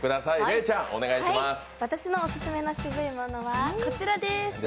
私のオススメのシブいものはこちらです。